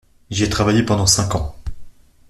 J’y ai travaillé pendant cinq ans.